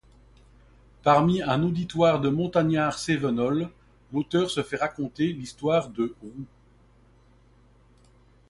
Parmi un auditoire de montagnards cévenols, l’auteur se fait raconter l’histoire de Roux.